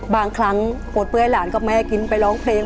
บางครั้งอดเพื่อให้หลานกับแม่กินไปร้องเพลง